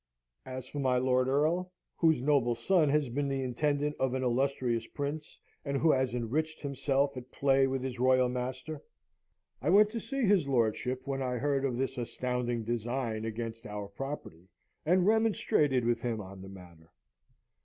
As for my lord earl, whose noble son has been the intendant of an illustrious Prince, and who has enriched himself at play with his R l master: I went to see his lordship when I heard of this astounding design against our property, and remonstrated with him on the matter.